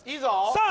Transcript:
さあ